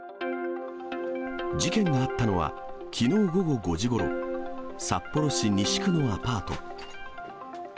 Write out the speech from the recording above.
事件があったのは、きのう午後５時ごろ、札幌市西区のアパート。